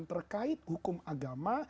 terkait hukum agama